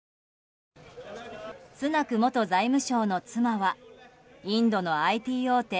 スナク元財務相の妻はインドのＩＴ大手